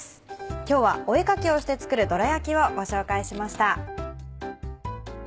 今日はお絵描きをして作るどら焼きをご紹介しました。